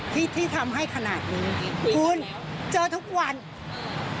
ที่ที่ทำให้ขนาดนี้คุณเจอทุกวัน